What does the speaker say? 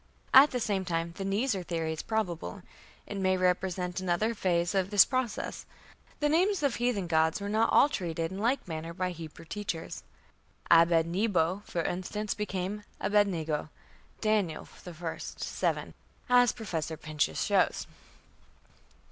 " At the same time the "Nisr" theory is probable: it may represent another phase of this process. The names of heathen gods were not all treated in like manner by the Hebrew teachers. Abed nebo, for instance, became Abed nego, Daniel, i, 7, as Professor Pinches shows.